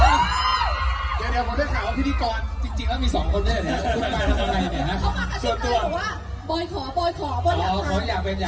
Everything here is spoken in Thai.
เดี๋ยวเดี๋ยวผมจะถ่ายว่าพิธีกรจริงแล้วมีสองคนได้เลยนะซ่อนมาทำไรเนี่ย